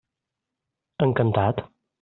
Encantat.